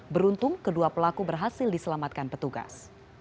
beruntung kedua pelaku berhasil diselamatkan petugas